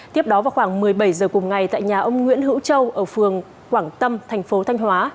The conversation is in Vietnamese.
tiếp đó vào khoảng một mươi bảy h cùng ngày tại nhà ông nguyễn hữu châu ở phường quảng tâm thành phố thanh hóa